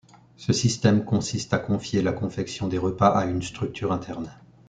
Ce système consiste à confier la confection des repas à une structure interne.